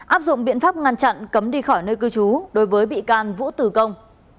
áp dụng biện pháp ngăn chặn cấm đi khỏi nơi cư trú đối với bị can vũ tử công